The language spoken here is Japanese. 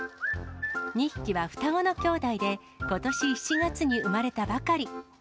２匹は双子の兄妹で、ことし７月に産まれたばかり。